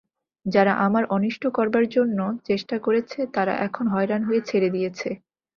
যারা আমার অনিষ্ট করবার জন্য চেষ্টা করেছে, তারা এখন হয়রান হয়ে ছেড়ে দিয়েছে।